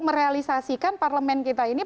merealisasikan parlemen kita ini